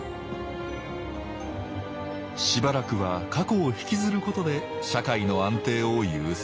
しばらくは過去をひきずることで社会の安定を優先。